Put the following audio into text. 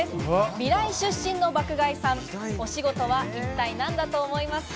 美大出身の爆買いさん、お仕事は一体何だと思いますか？